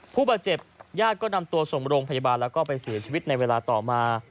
ผู้บาดเจ็บญาติก็นำตัวส่งโรงพยาบาลแล้วก็ไปเสียชีวิตในเวลาต่อมา